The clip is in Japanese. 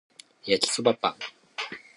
焼きそばパン